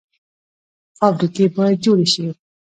فابریکې باید جوړې شي